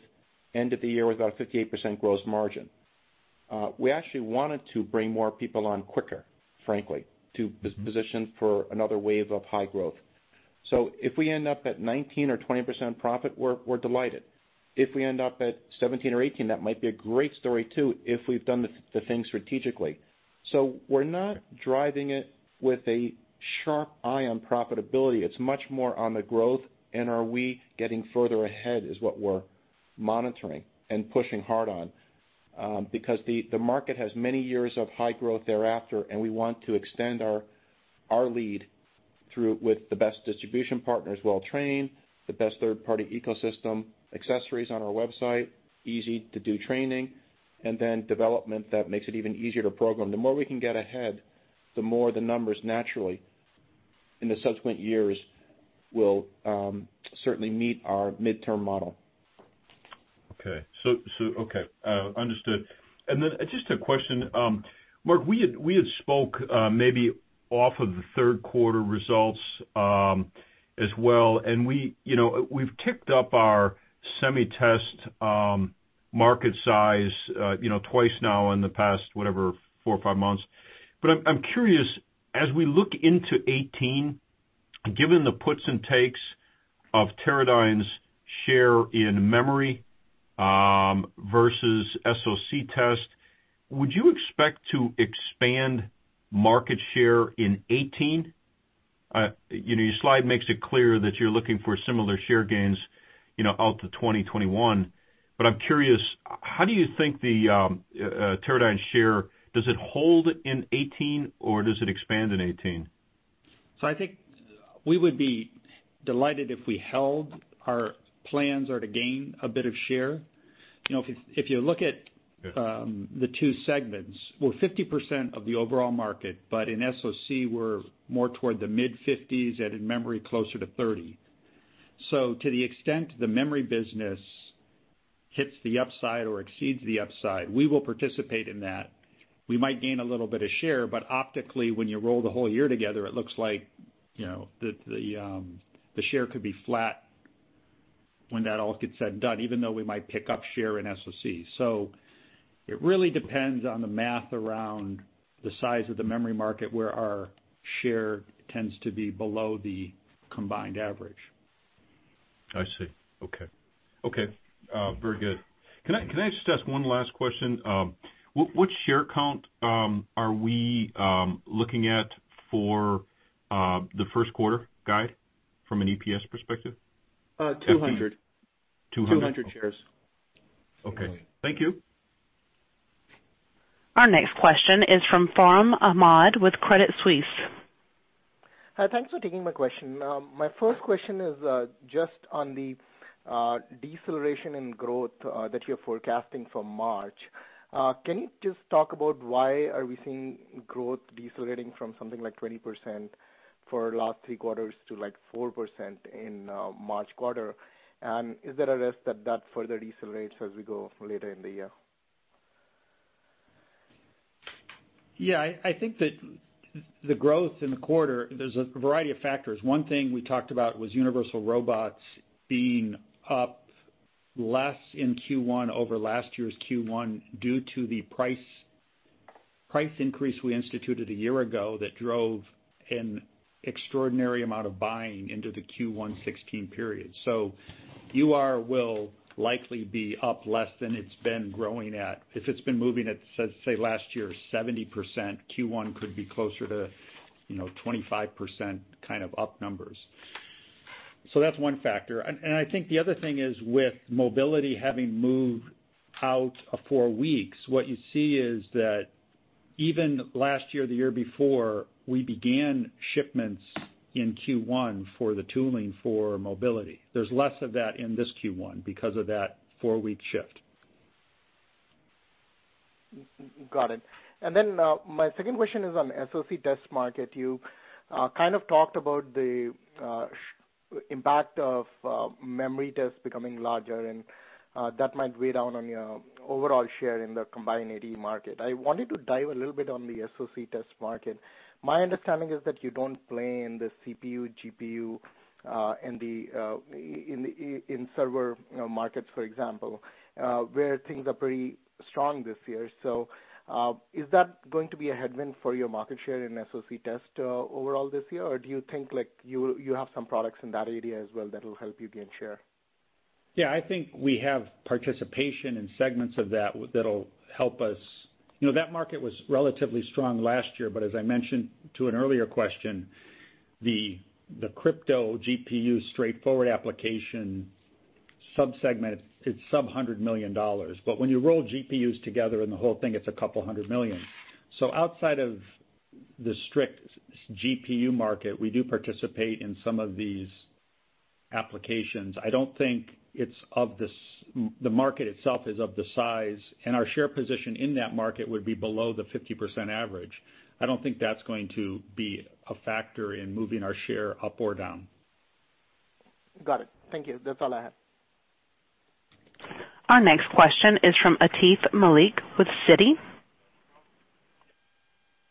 end of the year with about 58% gross margin. We actually wanted to bring more people on quicker, frankly, to position for another wave of high growth. If we end up at 19% or 20% profit, we're delighted. If we end up at 17% or 18%, that might be a great story too if we've done the thing strategically. We're not driving it with a sharp eye on profitability. It's much more on the growth and are we getting further ahead is what we're monitoring and pushing hard on. The market has many years of high growth thereafter, and we want to extend our lead through with the best well-trained distribution partners, the best third-party ecosystem accessories on our website, easy to do training, and then development that makes it even easier to program. The more we can get ahead, the more the numbers naturally in the subsequent years will certainly meet our midterm model. Okay. Understood. Just a question. Mark, we had spoke maybe off of the third quarter results as well, and we've ticked up our SemiTest market size twice now in the past, whatever, 4 or 5 months. I'm curious, as we look into 2018, given the puts and takes of Teradyne's share in memory versus SoC test, would you expect to expand market share in 2018? Your slide makes it clear that you're looking for similar share gains out to 2021. I'm curious, how do you think the Teradyne share, does it hold in 2018 or does it expand in 2018? I think we would be delighted if we held our plans or to gain a bit of share. If you look at the two segments, we're 50% of the overall market, but in SoC, we're more toward the mid-50s and in memory, closer to 30. To the extent the memory business hits the upside or exceeds the upside, we will participate in that. We might gain a little bit of share, but optically, when you roll the whole year together, it looks like the share could be flat when that all gets said and done, even though we might pick up share in SoC. It really depends on the math around the size of the memory market, where our share tends to be below the combined average. I see. Okay. Very good. Can I just ask one last question? What share count are we looking at for the first quarter guide from an EPS perspective? 200. 200. 200 shares. Okay. Thank you. Our next question is from Farhan Ahmad with Credit Suisse. Thanks for taking my question. My first question is just on the deceleration in growth that you're forecasting for March. Can you just talk about why are we seeing growth decelerating from something like 20% for last three quarters to 4% in March quarter? Is there a risk that that further decelerates as we go later in the year? I think that the growth in the quarter, there's a variety of factors. One thing we talked about was Universal Robots being up less in Q1 over last year's Q1 due to the price increase we instituted a year ago that drove an extraordinary amount of buying into the Q1 2016 period. UR will likely be up less than it's been growing at. If it's been moving at, say, last year, 70%, Q1 could be closer to 25% up numbers. That's one factor. I think the other thing is with mobility having moved out four weeks, what you see is that Even last year or the year before, we began shipments in Q1 for the tooling for mobility. There's less of that in this Q1 because of that four-week shift. Got it. My second question is on SoC test market. You kind of talked about the impact of memory tests becoming larger, and that might weigh down on your overall share in the combined ATE market. I wanted to dive a little bit on the SoC test market. My understanding is that you don't play in the CPU, GPU, in server markets, for example, where things are pretty strong this year. Is that going to be a headwind for your market share in SoC test overall this year? Or do you think you have some products in that area as well that will help you gain share? Yeah, I think we have participation in segments of that'll help us. That market was relatively strong last year, but as I mentioned to an earlier question, the crypto GPU straightforward application sub-segment, it's sub-$100 million. When you roll GPUs together in the whole thing, it's a couple hundred million USD. Outside of the strict GPU market, we do participate in some of these applications. I don't think the market itself is of the size, and our share position in that market would be below the 50% average. I don't think that's going to be a factor in moving our share up or down. Got it. Thank you. That's all I have. Our next question is from Atif Malik with Citi.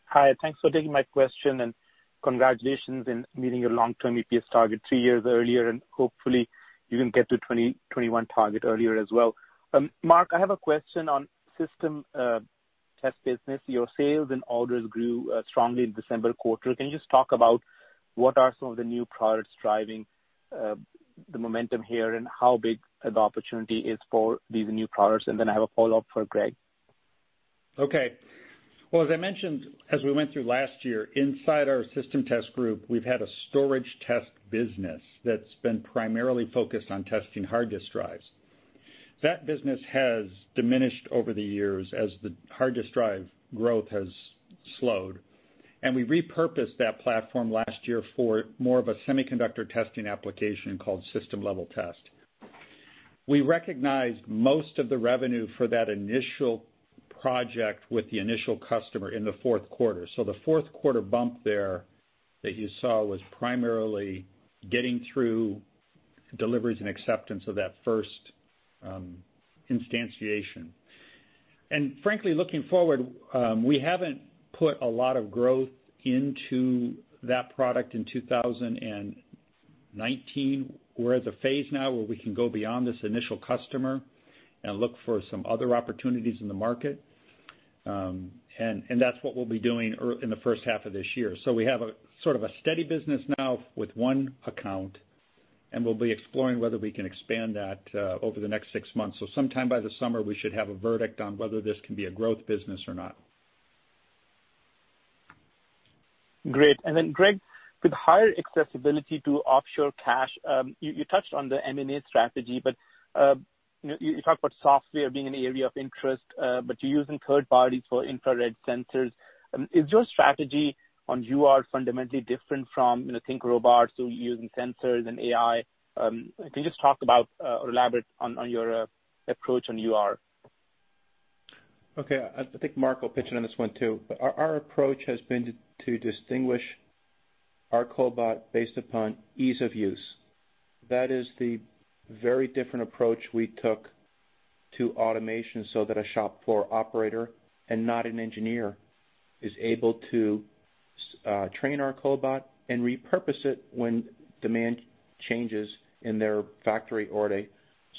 Hi, thanks for taking my question. Congratulations in meeting your long-term EPS target three years earlier. Hopefully, you can get to 2021 target earlier as well. Mark, I have a question on system test business. Your sales and orders grew strongly in December quarter. Can you just talk about what are some of the new products driving the momentum here, and how big the opportunity is for these new products? I have a follow-up for Greg. Okay. Well, as I mentioned, as we went through last year, inside our system test group, we've had a storage test business that's been primarily focused on testing hard disk drives. That business has diminished over the years as the hard disk drive growth has slowed, and we repurposed that platform last year for more of a semiconductor testing application called system level test. We recognized most of the revenue for that initial project with the initial customer in the fourth quarter. The fourth quarter bump there that you saw was primarily getting through deliveries and acceptance of that first instantiation. Frankly, looking forward, we haven't put a lot of growth into that product in 2019. We're at the phase now where we can go beyond this initial customer and look for some other opportunities in the market. That's what we'll be doing in the first half of this year. We have a sort of a steady business now with one account, and we'll be exploring whether we can expand that over the next six months. Sometime by the summer, we should have a verdict on whether this can be a growth business or not. Great. Greg, with higher accessibility to offshore cash, you touched on the M&A strategy, but you talked about software being an area of interest, but you're using third parties for infrared sensors. Is your strategy on UR fundamentally different from Rethink Robotics, using sensors and AI? Can you just talk about or elaborate on your approach on UR? Okay. I think Mark will pitch in on this one, too. Our approach has been to distinguish our cobot based upon ease of use. That is the very different approach we took to automation so that a shop floor operator and not an engineer is able to train our cobot and repurpose it when demand changes in their factory or at a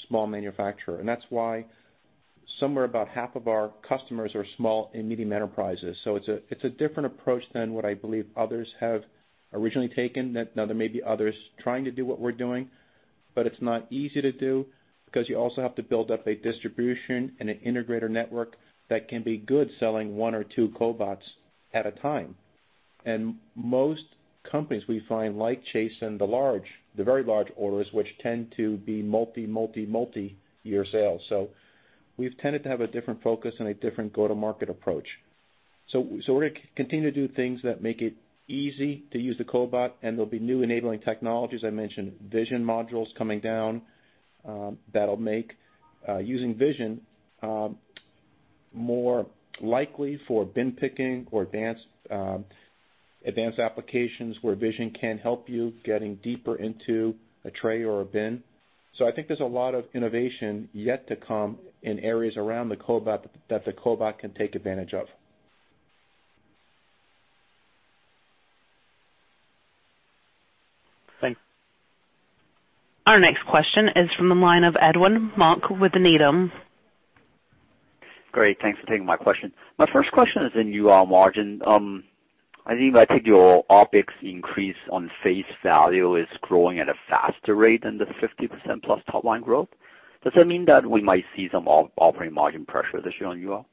small manufacturer. That's why somewhere about half of our customers are small and medium enterprises. It's a different approach than what I believe others have originally taken. There may be others trying to do what we're doing, but it's not easy to do because you also have to build up a distribution and an integrator network that can be good selling one or two cobots at a time. Most companies we find like chasing, the very large orders, which tend to be multi-year sales. We've tended to have a different focus and a different go-to-market approach. We're going to continue to do things that make it easy to use the cobot, and there'll be new enabling technologies. I mentioned vision modules coming down that'll make using vision more likely for bin picking or advanced applications where vision can help you getting deeper into a tray or a bin. I think there's a lot of innovation yet to come in areas around the cobot that the cobot can take advantage of. Thanks. Our next question is from the line of Edwin Mok with Needham. Great, thanks for taking my question. My first question is in UR margin. If I take your OpEx increase on face value is growing at a faster rate than the 50% plus top line growth. Does that mean that we might see some operating margin pressure this year on UR?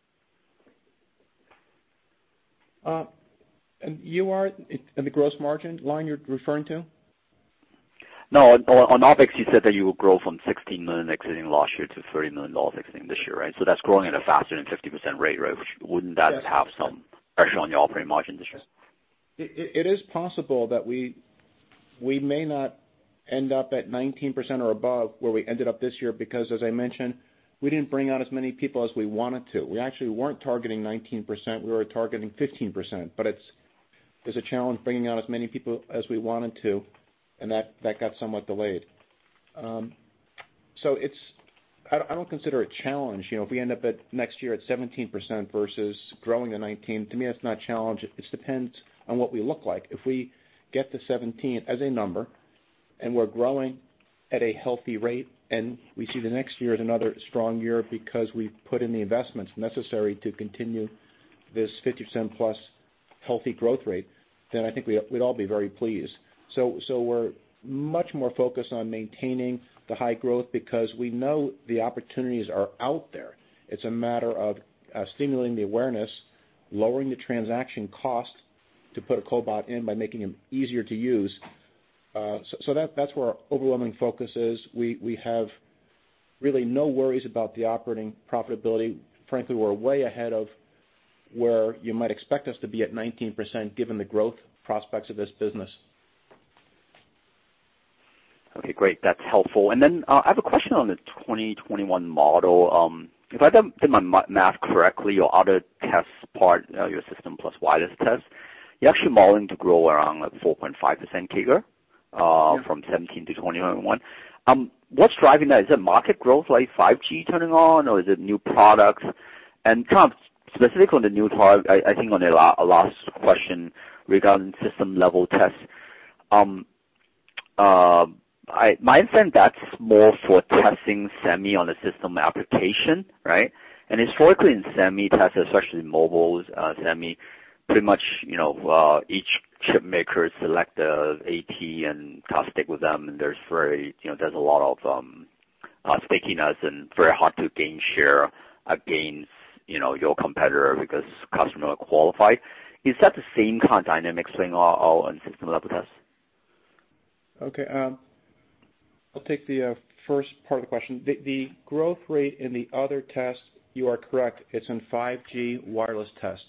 UR and the gross margin line you're referring to? On OpEx, you said that you will grow from $16 million exiting last year to $30 million exiting this year, right? That's growing at a faster than 50% rate, right? Wouldn't that have some pressure on your operating margin this year? It is possible that we may not end up at 19% or above where we ended up this year, because as I mentioned, we didn't bring out as many people as we wanted to. We actually weren't targeting 19%, we were targeting 15%, it's a challenge bringing out as many people as we wanted to, and that got somewhat delayed. I don't consider it a challenge. If we end up next year at 17% versus growing to 19%, to me, that's not a challenge. It depends on what we look like. If we get to 17% as a number and we're growing at a healthy rate, and we see the next year as another strong year because we've put in the investments necessary to continue this 50% plus healthy growth rate, then I think we'd all be very pleased. We're much more focused on maintaining the high growth because we know the opportunities are out there. It's a matter of stimulating the awareness, lowering the transaction cost to put a cobot in by making them easier to use. That's where our overwhelming focus is. We have really no worries about the operating profitability. Frankly, we're way ahead of where you might expect us to be at 19%, given the growth prospects of this business. Great. That's helpful. I have a question on the 2021 model. If I did my math correctly, your other test part, your system plus wireless test, you're actually modeling to grow around 4.5% CAGR from 2017 to 2021. What's driving that? Is it market growth, like 5G turning on, or is it new products? Specifically on the new product, I think on a last question regarding system-level tests. My understanding that's more for testing semi on a system application, right? Historically in semi test, especially mobile semi, pretty much each chip maker select ATE and stick with them, and there's a lot of stickiness and very hard to gain share against your competitor because customer qualified. Is that the same kind of dynamic going on on system-level tests? Okay. I'll take the first part of the question. The growth rate in the other test, you are correct, it's in 5G wireless test.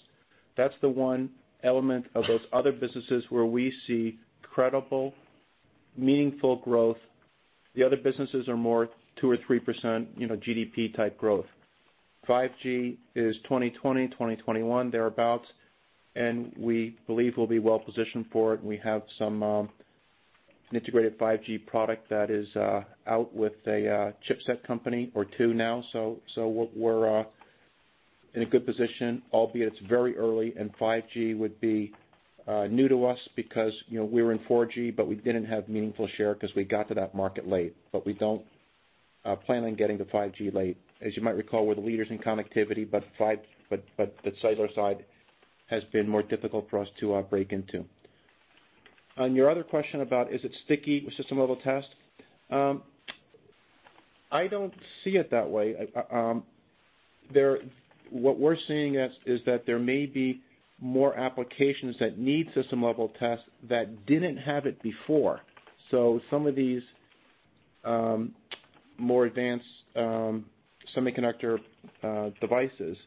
That's the one element of those other businesses where we see credible, meaningful growth. The other businesses are more 2% or 3% GDP type growth. 5G is 2020, 2021, thereabout, and we believe we'll be well-positioned for it. We have an integrated 5G product that is out with a chipset company or two now. We're in a good position, albeit it's very early and 5G would be new to us because we were in 4G, but we didn't have meaningful share because we got to that market late. We don't plan on getting to 5G late. As you might recall, we're the leaders in connectivity, but the cellular side has been more difficult for us to break into. On your other question about is it sticky with system-level test, I don't see it that way. What we're seeing is that there may be more applications that need system-level tests that didn't have it before. Some of these more advanced semiconductor devices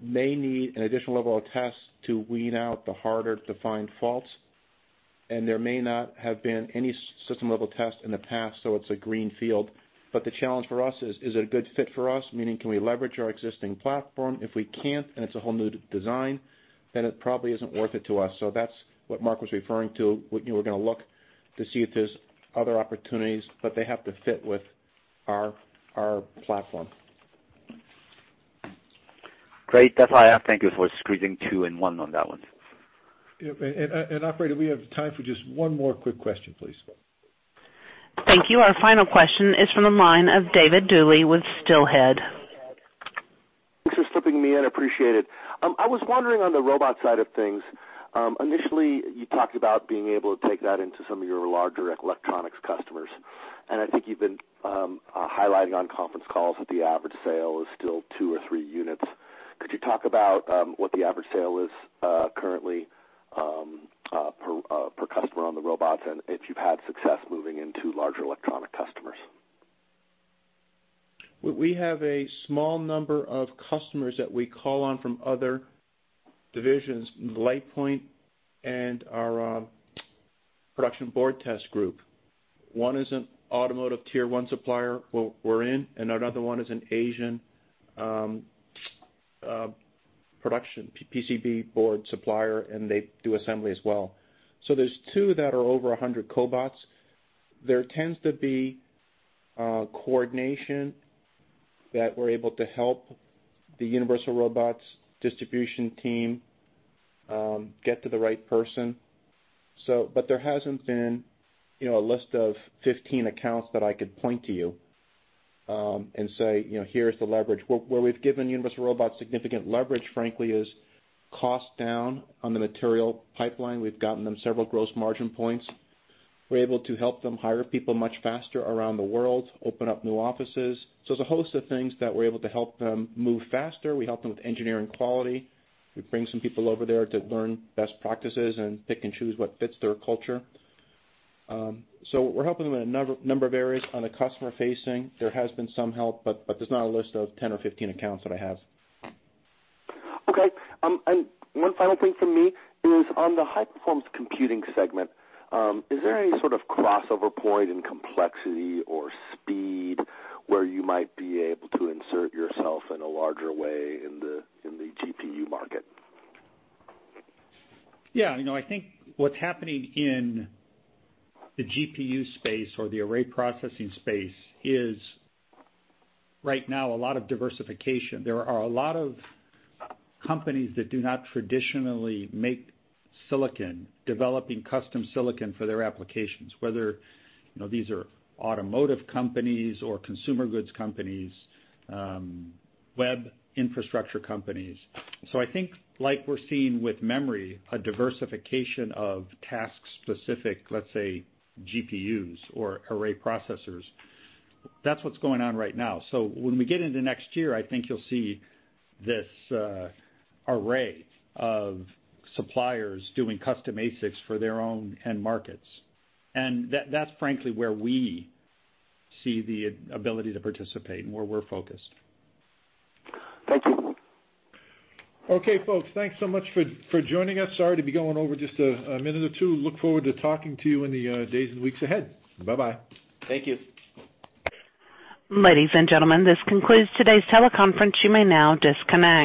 may need an additional level of test to weed out the harder to find faults, and there may not have been any system-level test in the past, so it's a green field. The challenge for us is it a good fit for us? Meaning, can we leverage our existing platform? If we can't and it's a whole new design, it probably isn't worth it to us. That's what Mark was referring to. We're going to look to see if there's other opportunities, but they have to fit with our platform. Great. That's all I have. Thank you for squeezing two in one on that one. Operator, we have time for just one more quick question, please. Thank you. Our final question is from the line of David Duley with Steelhead. Thanks for slipping me in. I appreciate it. I was wondering on the robot side of things, initially you talked about being able to take that into some of your larger electronics customers, and I think you've been highlighting on conference calls that the average sale is still two or three units. Could you talk about what the average sale is currently per customer on the robots, and if you've had success moving into larger electronic customers? We have a small number of customers that we call on from other divisions, LitePoint and our production board test group. One is an automotive tier 1 supplier we're in, and another one is an Asian production PCB board supplier, and they do assembly as well. There's two that are over 100 cobots. There tends to be coordination that we're able to help the Universal Robots distribution team get to the right person. There hasn't been a list of 15 accounts that I could point to you and say, "Here's the leverage." Where we've given Universal Robots significant leverage, frankly, is cost down on the material pipeline. We've gotten them several gross margin points. We're able to help them hire people much faster around the world, open up new offices. There's a host of things that we're able to help them move faster. We help them with engineering quality. We bring some people over there to learn best practices and pick and choose what fits their culture. We're helping them in a number of areas. On the customer facing, there has been some help, there's not a list of 10 or 15 accounts that I have. Okay. One final thing from me is on the high-performance computing segment, is there any sort of crossover point in complexity or speed where you might be able to insert yourself in a larger way in the GPU market? Yeah. I think what's happening in the GPU space or the array processing space is right now a lot of diversification. There are a lot of companies that do not traditionally make silicon, developing custom silicon for their applications, whether these are automotive companies or consumer goods companies, web infrastructure companies. I think like we're seeing with memory, a diversification of task-specific, let's say GPUs or array processors. That's what's going on right now. When we get into next year, I think you'll see this array of suppliers doing custom ASICs for their own end markets. That's frankly where we see the ability to participate and where we're focused. Thank you. Okay, folks. Thanks so much for joining us. Sorry to be going over just a minute or two. Look forward to talking to you in the days and weeks ahead. Bye-bye. Thank you. Ladies and gentlemen, this concludes today's teleconference. You may now disconnect.